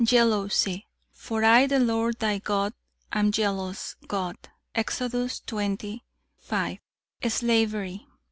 "Jealousy. 'For I the Lord thy God am jealous God.' Exodus xx, 5. "Slavery.